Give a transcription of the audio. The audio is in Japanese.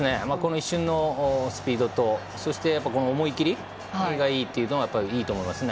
一瞬のスピードとそして思い切りがいいというのがいいと思いますね。